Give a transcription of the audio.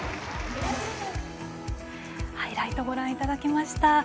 ハイライトご覧いただきました。